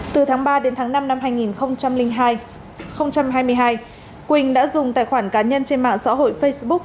từ tháng ba đến tháng năm năm hai nghìn hai mươi hai quỳnh đã dùng tài khoản cá nhân trên mạng xã hội facebook